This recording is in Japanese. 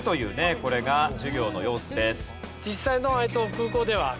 これが授業の様子です。